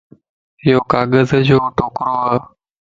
ايو ڪاغذَ جو ٽڪڙو وَ